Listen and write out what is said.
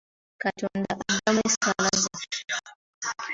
Katonda addamu essaala zaffe.